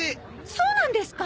そうなんですか？